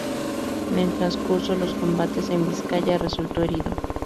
En el transcurso los combates en Vizcaya resultó herido.